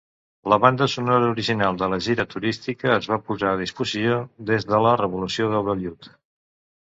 La banda sonora original de la gira turística es va posar a disposició, des de la Revolució de Vellut.